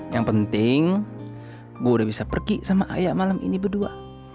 yang penting gue udah bisa pergi sama ayah malam ini berdua